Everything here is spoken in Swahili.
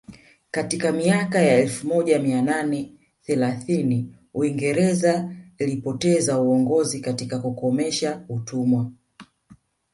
Katika miaka ya elfu moja mia nane thelathini Uingereza ilipoteza uongozi katika kukomesha utumwa